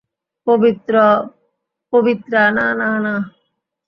পবিত্রা, না, না, না।